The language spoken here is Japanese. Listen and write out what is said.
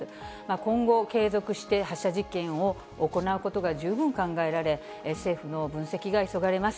今後、継続して発射実験を行うことが十分考えられ、政府の分析が急がれます。